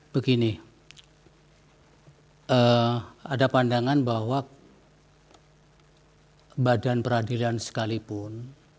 begini ada pandangan bahwa badan peradilan sekalipun